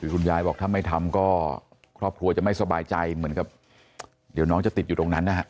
คุณยายบอกถ้าไม่ทำก็ครอบครัวจะไม่สบายใจเหมือนกับเดี๋ยวน้องจะติดอยู่ตรงนั้นนะฮะ